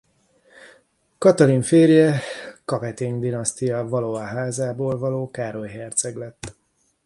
Katalin férje Capeting-dinasztia Valois-házából való Károly herceg lett.